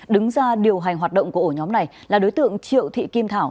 đứng ra điều hành hoạt động của ổ nhóm này là đối tượng triệu thị kim thảo